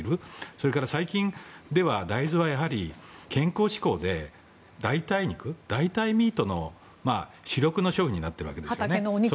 そして最近では、大豆は健康志向で代替肉、代替ミートの主力の商品になっているわけですね。